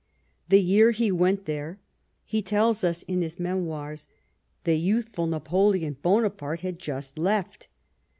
The year he went there, he tells us in his memoirs, the youthful Napoleon Bonaparte had just left.